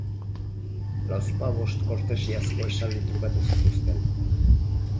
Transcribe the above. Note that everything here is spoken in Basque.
Lauzpabost kortesiazko esaldi trukatu zituzten.